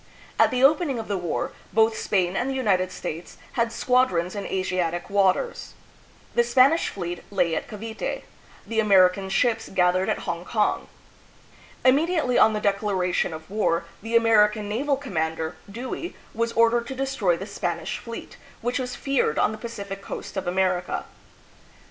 At the opening of the war, both Spain and the United States had squadrons in Asiatic waters. The Spanish fleet lay at Cavite, the American ships gathered at Hong kong. Immediately on the declaration of war, the Amer ican naval commander, Dewey, was ordered to destroy the Spanish fleet, which was feared on the Pacific coast of America.